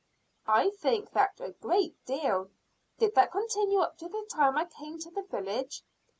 "I think that a great deal. Did that continue up to the time I came to the village?"